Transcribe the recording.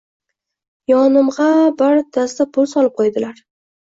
Yonimg‘a bir dasta pul solib qo‘ydilar